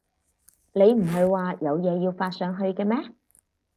你唔喺話有嘢要發上去嘅咩？